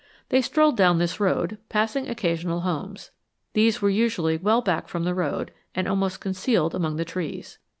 They strolled down this road, passing occasional homes. These were usually well back from the road and almost concealed among the trees.